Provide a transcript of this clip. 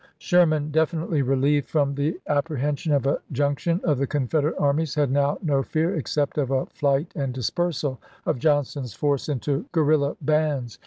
Sherman, definitely relieved from the apprehen sion of a junction of the Confederate armies, had now no fear except of a flight and dispersal of Johnston's force into guerrilla bands.